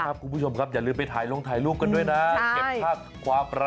ครับคุณผู้ชมครับอย่าลืมไปถ่ายรุ่งถ่ายรูปกันด้วยนะ